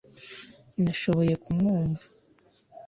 nashoboye kumwumva